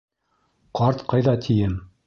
Ҡарт ҡайҙа тием!